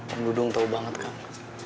om dudung tau banget kang